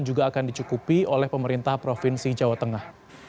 juga akan dicukupi oleh pemerintah provinsi jawa tengah